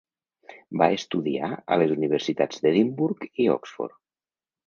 Va estudiar a les Universitats d'Edimburg i Oxford.